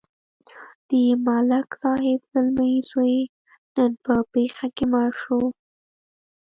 د ملک صاحب زلمی زوی نن په پېښه کې مړ شو.